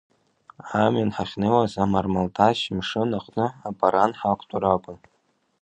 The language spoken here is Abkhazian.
Амҩан ҳахьнеиуаз амармалташь мшын аҟны апаран ҳақәтәар акәын.